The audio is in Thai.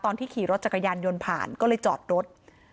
ตอนที่ขี่รถจักรยานยนต์ผ่านก็เลยจอดรถ